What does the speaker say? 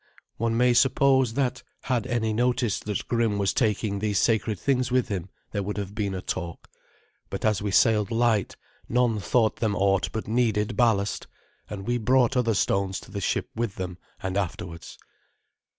One may suppose that, had any noticed that Grim was taking these sacred things with him, there would have been a talk; but as we sailed light, none thought them aught but needed ballast; and we brought other stones to the ship with them and afterwards.